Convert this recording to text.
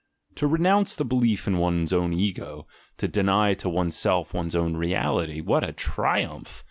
To renounce the belief in one's own ego, to deny to one's self one's own "reality" — what a triumph!